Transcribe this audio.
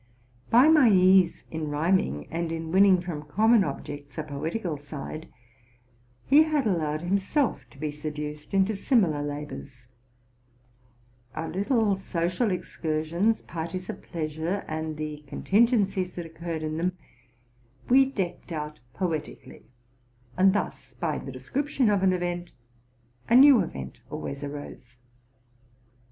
By my ease in rhyming, and in winning from common objects a poetical side, he had allowed himself to be seduced into similar labors. Our little social excursions, parties of pleasure, and the contingencies that occurred in them, we decked out poetically ; and thus, by the description of an event, anew event always arose.